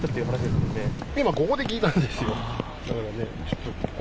今、ここで聞いたんですよ。